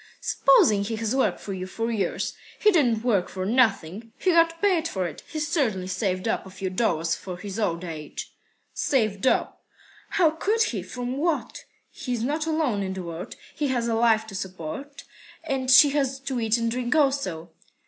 "Supposing he has worked for you for years. He didn't work for nothing. He got paid for it. He's certainly saved up a few dollars for his old age." "Saved up! How could he? From what? He's not alone in the world. He has a wife to support, and she has to eat and drink also."